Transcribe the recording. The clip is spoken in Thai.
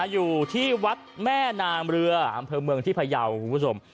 อยู่ที่วัดแม่นางเรืออำเภอเมืองที่พยาวคุณผู้ชม